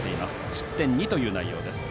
失点２という内容です。